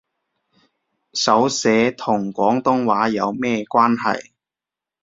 手寫同廣東話有咩關係